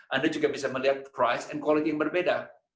anda juga bisa melihat harga dan kualitas yang berbeda